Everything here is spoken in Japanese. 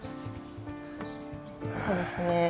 そうですね。